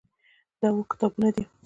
دا اووه کتابونه دي.